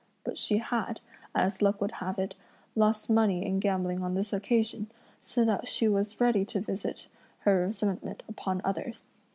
But she had, as luck would have it, lost money in gambling on this occasion, so that she was ready to visit her resentment upon others.